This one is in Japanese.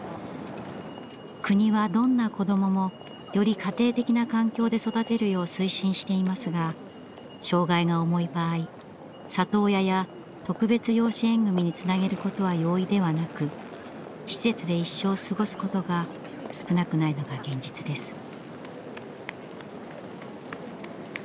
国はどんな子どももより家庭的な環境で育てるよう推進していますが障害が重い場合里親や特別養子縁組につなげることは容易ではなく施設で一生過ごすことが少なくないのが現実です。